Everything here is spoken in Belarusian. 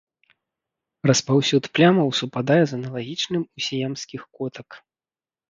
Распаўсюд плямаў супадае з аналагічным у сіямскіх котак.